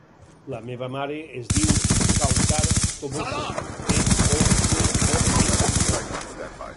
La meva mare es diu Kawtar Toboso: te, o, be, o, essa, o.